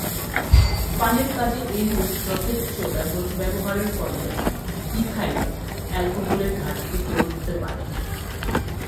পানের কাজে এরূপ যথেচ্ছ ব্যবহারের ফলে ইথাইল অ্যালকোহলের ঘাটতি পড়তে পারে।